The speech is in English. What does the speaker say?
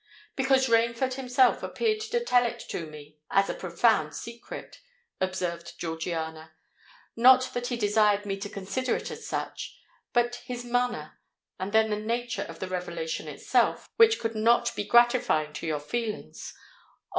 "Because Rainford himself appeared to tell it to me as a profound secret," observed Georgiana. "Not that he desired me to consider it as such: but his manner—and then the nature of the revelation itself, which could not be gratifying to your feelings—oh!